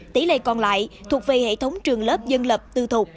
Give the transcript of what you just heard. tỷ lệ còn lại thuộc về hệ thống trường lớp dân lập tư thuộc